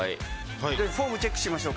フォームチェックしましょう。